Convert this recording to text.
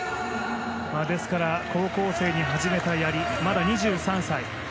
ですから高校生で始めたやりまだ２３歳。